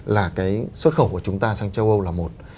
là cái xuất khẩu của chúng ta sang châu âu là một